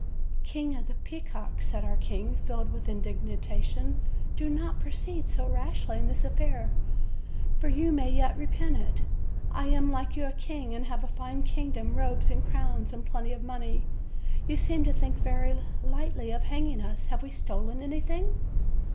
"King of the Peacocks," said our king, filled with in dignation, "do not proceed so rashly in this affair, for you may yet repent it. I am, like you, a king, and have a fine kingdom, robes and crowns, and plenty of money; you seem to think very lightly of hanging us; have we stolen anything?"